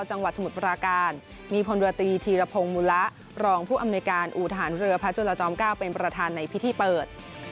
สมุทรปราการมีพลเรือตีธีรพงศ์มุระรองผู้อำนวยการอูทหารเรือพระจุลจอม๙เป็นประธานในพิธีเปิด